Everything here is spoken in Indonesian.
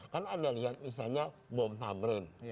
kan anda lihat misalnya bom tamrin